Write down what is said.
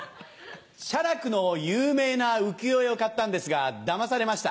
写楽の有名な浮世絵を買ったんですがだまされました。